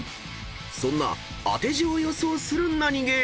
［そんな当て字を予想するナニゲー］